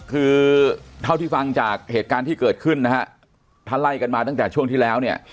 คือเท่าที่ฟังจากเหตุการณ์ที่เกิดขึ้นนะฮะถ้าไล่กันมาตั้งแต่ช่วงที่แล้วเนี่ย